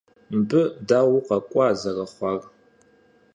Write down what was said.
Мыбы дауэ укъэкӀуа зэрыхъуар?